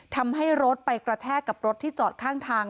ทำให้รถไปกระแทกกับรถที่จอดข้างทาง